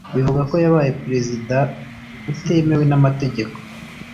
bivuga ko yabaye President utemewe n’amategeko